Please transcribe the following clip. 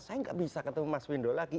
saya gak bisa ketemu mas windo lagi